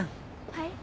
はい？